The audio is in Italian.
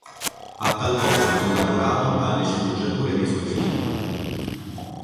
Ha talvolta collaborato alle sceneggiature dei suoi film.